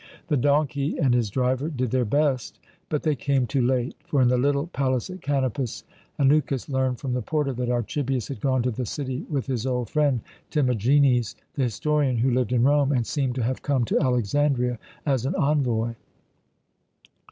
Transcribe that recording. The donkey and his driver did their best, but they came too late; for in the little palace at Kanopus, Anukis learned from the porter that Archibius had gone to the city with his old friend Timagenes, the historian, who lived in Rome, and seemed to have come to Alexandria as an envoy.